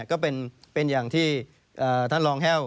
ก็เป็นอย่างที่ท่านรองแห้ว